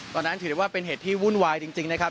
ถือได้ว่าเป็นเหตุที่วุ่นวายจริงนะครับ